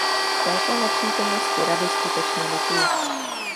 Této nepřítomnosti Rady skutečně lituji.